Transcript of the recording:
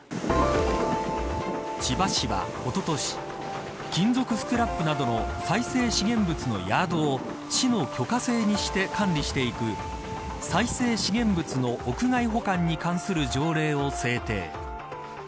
千葉市は、おととし金属スクラップなどの再生資源物のヤードを市の許可制にして管理していく再生資源物の屋外保管に関する条例を制定。